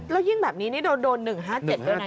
แล้วยิ่งแบบนี้นี่เราโดน๑๕๗ด้วยนะ